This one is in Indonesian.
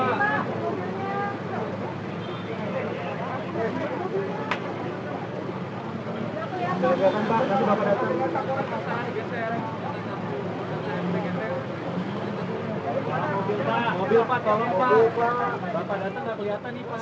pak datang gak kelihatan nih pak